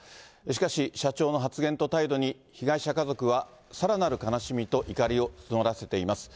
しかし、社長の発言と態度に、被害者家族はさらなる悲しみと怒りを募らせています。